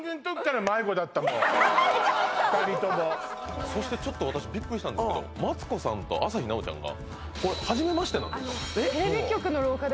だったもん二人ともちょっと私ビックリしたんですけどマツコさんと朝日奈央ちゃんがこれはじめましてなんですか？